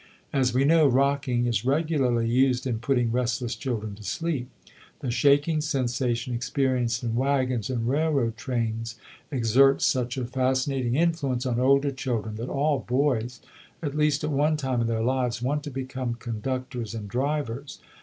As we know, rocking is regularly used in putting restless children to sleep. The shaking sensation experienced in wagons and railroad trains exerts such a fascinating influence on older children, that all boys, at least at one time in their lives, want to become conductors and drivers.